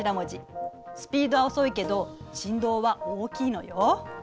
スピードは遅いけど振動は大きいのよ。